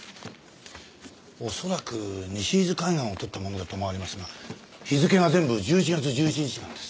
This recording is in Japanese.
恐らく西伊豆海岸を撮ったものだと思われますが日付が全部１１月１１日なんです。